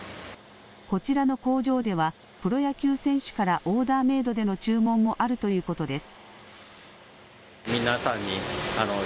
こちらの工場ではプロ野球選手からオーダーメードでの注文もあるということです。